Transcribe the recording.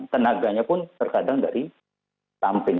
tenaganya pun terkadang dari samping